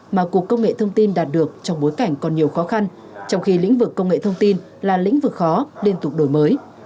mà cục công nghệ thông tin đạt được trong bối cảnh còn nhiều khó khăn trong khi lĩnh vực công nghệ thông tin là lĩnh vực khó liên tục đổi mới